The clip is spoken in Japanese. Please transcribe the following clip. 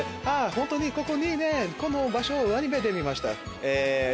ホントにここにねこの場所アニメで見ました問題ですね